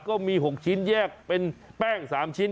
ก็มี๖ชิ้นแยกเป็นแป้ง๓ชิ้น